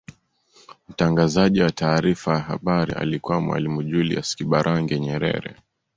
mtangazaji wa taarifa ya habari alikuwa mwalimu julius kambarage nyerere